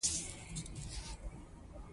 ماشومانو ته باید د زدهکړې زمینه برابره شي.